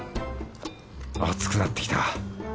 あつくなってきた。